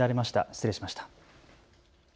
失礼しました。